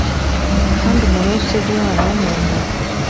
kandi umuntu wese usebya umwana w umuntu